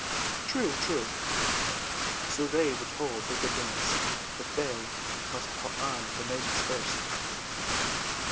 "True, true." So they were told they could dance, but they must put on their nighties first.